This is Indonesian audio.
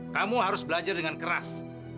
kamu harus belajar dengan keras